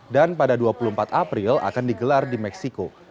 dan pada dua puluh empat april akan digelar di meksiko